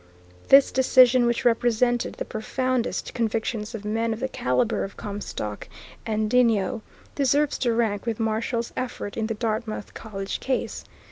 This decision, which represented the profoundest convictions of men of the calibre of Comstock and Denio, deserves to rank with Marshall's effort in the Dartmouth College Case.